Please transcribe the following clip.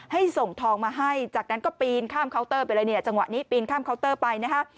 ให้ส่งทองมาให้จากนั้นก็ปีนข้ามเคาน์เตอร์ไปเลยเนี่ยจังหวะนี้ปีนข้ามเคาน์เตอร์ไปนะฮะ